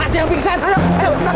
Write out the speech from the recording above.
ayah aku butuh air